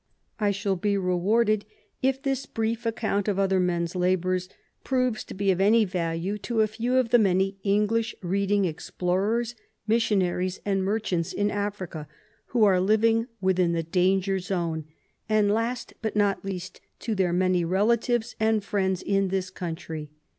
I shall be rewarded if this brief account of other men's labours proves to be of any value to a few of the many English reading explorers, missionaries and merchants in Africa, who are living within the danger zone, and, last but not least, to then' many relatives and friends in this country.